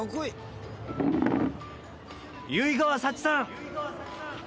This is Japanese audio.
「唯川幸さん」